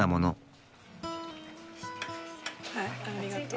はいありがとう。